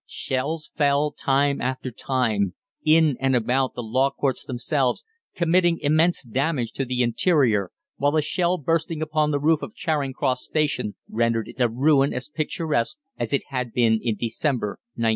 Shells fell time after time, in and about the Law Courts themselves, committing immense damage to the interior, while a shell bursting upon the roof of Charing Cross Station, rendered it a ruin as picturesque as it had been in December, 1905.